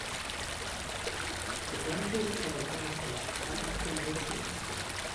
The branches of a panicle are often racemes.